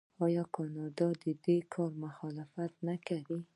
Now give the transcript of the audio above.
آیا کاناډا د دې کار مخالفت نه کوي؟